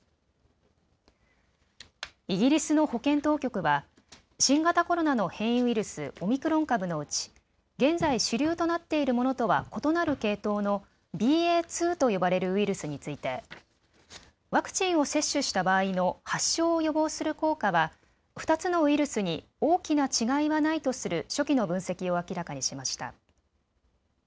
イギリスの保健当局は、新型コロナの変異ウイルス、オミクロン株のうち現在、主流となっているものとは異なる系統のＢＡ．２と呼ばれるウイルスについてワクチンを接種した場合の発症を予防する効果は２つのウイルスに大きな違いはないとする初期の分析を明らかにしました。